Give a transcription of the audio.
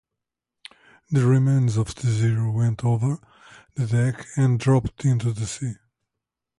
The remains of the Zero went over the deck and dropped into the sea.